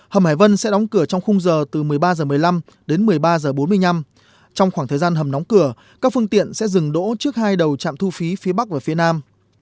hầm hải vân sẽ đóng cửa trong khung giờ từ một mươi ba h một mươi năm đến một mươi ba h bốn mươi năm trong khoảng thời gian hầm nóng cửa các phương tiện sẽ dừng đỗ trước hai đầu trạm thu phí phía bắc và phía nam